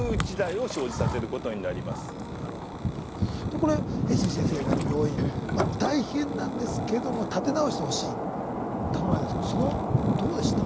これ江角先生が行かれた病院大変なんですけども立て直してほしい頼まれたんですけどどうでした？